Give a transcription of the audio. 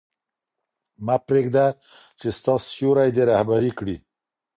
مه پرېږده چې ستا سیوری دې رهبري کړي.